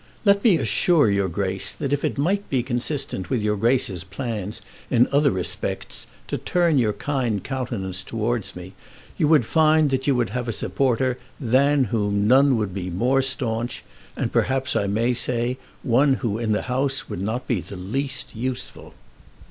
Let me assure your Grace that if it might be consistent with your Grace's plans in other respects to turn your kind countenance towards me, you would find that you would have a supporter than whom none would be more staunch, and perhaps I may say, one who in the House would not be the least useful!"